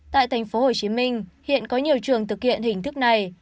tại tp hcm hiện có nhiều trường thực hiện hình thức này